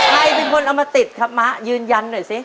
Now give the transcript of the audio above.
ใครเป็นคนเอามาติดครับมะยืนยันหน่อยสิ